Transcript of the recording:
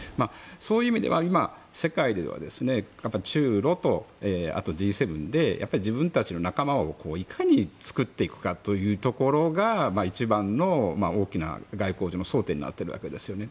そういう意味では今、世界では中ロとあとはＧ７で自分たちの仲間をいかに作っていくかというところが一番の大きな外交上の争点になっているわけですよね。